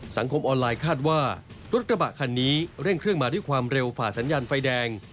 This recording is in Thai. สังคมออนไลน์คาดว่ารถกระบะคันนี้เร่งเครื่องมาด้วยความเร็วฝ่าสัญญาณไฟแดง